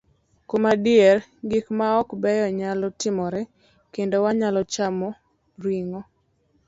Kuom adier, gik maok beyo nyalo timore, kendo wanyalo chamo ring'o.